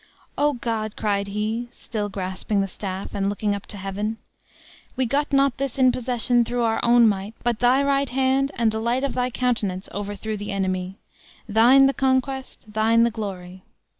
"O God!" cried he, still grasping the staff, and looking up to heaven; "we got not this in possession through our own might, but thy right hand and the light of thy countenance overthrew the enemy! Thine the conquest, thine the glory!"